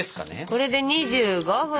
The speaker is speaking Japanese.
これで２５分。